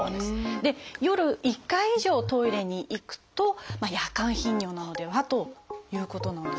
で夜１回以上トイレに行くと「夜間頻尿」なのではということなんですよね。